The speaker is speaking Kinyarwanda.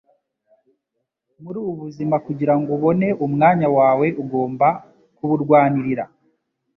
Muri ubu buzima, kugirango ubone umwanya wawe ugomba kuburwanirira.”